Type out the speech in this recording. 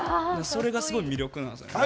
それがすごい魅力なんですね。